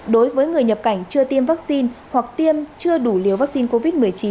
đối với người nhập cảnh chưa tiêm vaccine hoặc tiêm chưa đủ liều vaccine covid một mươi chín